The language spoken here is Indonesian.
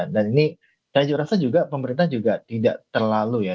dan ini saya rasa pemerintah juga tidak terlalu ya